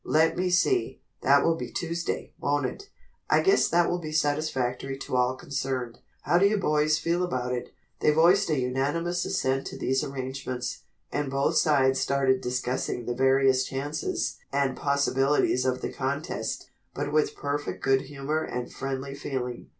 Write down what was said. "Let me see, that will be Tuesday, won't it? I guess that will be satisfactory to all concerned. How do you boys feel about it?" They voiced a unanimous assent to these arrangements, and both sides started discussing the various chances and possibilities of the contest, but with perfect good humor and friendly feeling.